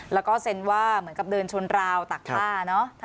แล้วก็เซ็นว่าเหมือนกับเดินชนราวตักผ้าเนอะ